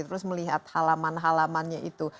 terus melihat halaman halamannya itu